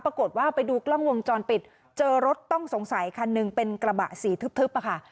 ปรากฏว่าไปดูกล้องวงจรปิดเจอรถต้องสงสัยคันหนึ่งเป็นกระบะสีทึบค่ะ